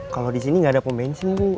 kalau di sini gak ada pembencin bu